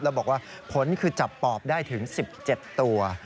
แล้วบอกว่าผลคือจับปอบได้ถึง๑๗ตัว